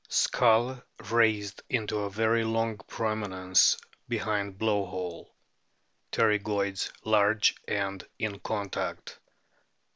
Skull raised into a very strong prominence behind blow hole. Pterygoids large and in contact.